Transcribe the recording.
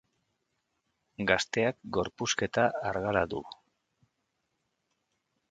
Gazteak gorpuzkera argala du.